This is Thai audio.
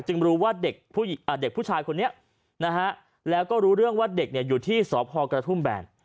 จึงรู้ว่าเด็กผู้อ่าเด็กผู้ชายคนนี้นะฮะแล้วก็รู้เรื่องว่าเด็กเนี้ยอยู่ที่สอบฮอกระทุ่มแบน